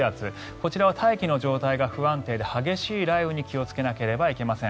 こちらは大気の状態が不安定で激しい雷雨に気をつけなければいけません。